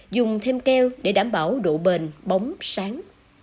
dùng thêm keo để đảm bảo độ bền bóng sáng